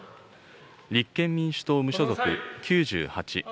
立憲民主党・無所属９８。